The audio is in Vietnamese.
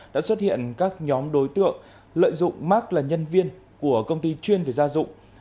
đã xuất hiện các nhóm đối tượng lợi dụng mark là nhân viên của công ty chuyên về gia dụng